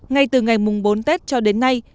ngay từ ngày bốn tết cho đến nay